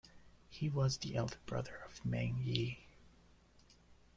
He was the elder brother of Meng Yi.